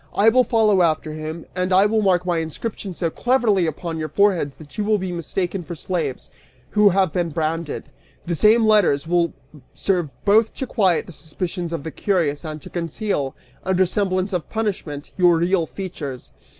I will follow after him, and I will mark my inscription so cleverly upon your foreheads that you will be mistaken for slaves who have been branded! The same letters will serve both to quiet the suspicions of the curious and to conceal, under semblance of punishment, your real features!"